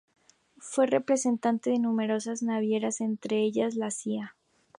Fue representante de numerosas navieras, entre ellas la "Cia.